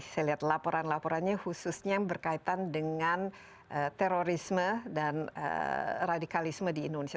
saya lihat laporan laporannya khususnya yang berkaitan dengan terorisme dan radikalisme di indonesia